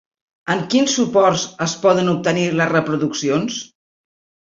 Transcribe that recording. En quins suports es poden obtenir les reproduccions?